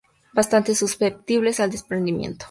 Bastante susceptibles al desprendimiento.